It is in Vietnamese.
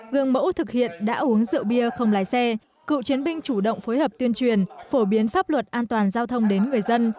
gương mẫu thực hiện đã uống rượu bia không lái xe cựu chiến binh chủ động phối hợp tuyên truyền phổ biến pháp luật an toàn giao thông đến người dân